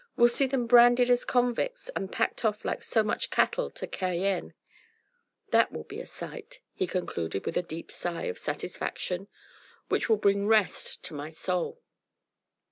We'll see them branded as convicts and packed off like so much cattle to Cayenne. That will be a sight," he concluded with a deep sigh of satisfaction, "which will bring rest to my soul."